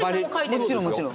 もちろんもちろん。